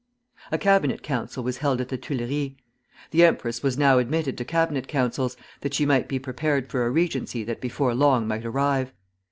A cabinet council was held at the Tuileries. The empress was now admitted to cabinet councils, that she might be prepared for a regency that before long might arrive.